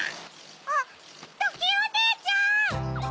あっドキンおねえちゃん！